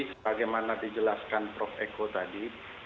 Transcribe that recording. sebagaimana dijelaskan prof eko tadi